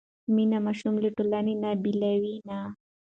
مینه ماشوم له ټولنې نه بېلوي نه.